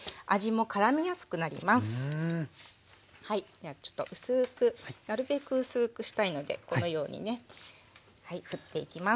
ではちょっと薄くなるべく薄くしたいのでこのようにねふっていきます。